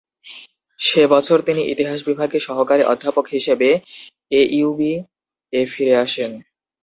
সে বছর তিনি ইতিহাস বিভাগে সহকারী অধ্যাপক হিসেবে এইউবি-এ ফিরে আসেন।